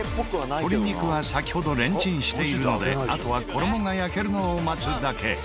鶏肉は先ほどレンチンしているのであとは衣が焼けるのを待つだけ。